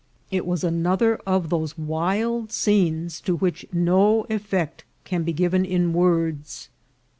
It was another of those wild scenes to which no effect can be given in words.